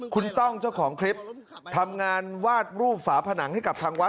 คุณต้องเจ้าของคลิปทำงานวาดรูปฝาผนังให้กับทางวัด